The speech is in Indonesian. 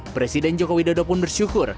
presiden joko widodo pun bersyukur